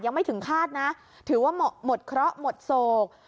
ยังไม่ถึงคาดนะถือว่าหมดเคราะห์หมดโศก